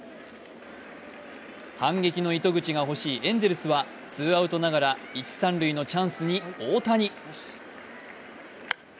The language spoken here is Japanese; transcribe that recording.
反撃の糸口が欲しいエンゼルスはツーアウトながら一・三塁のチャンスに大谷。